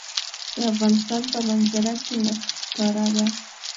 د افغانستان په منظره کې نفت ښکاره ده.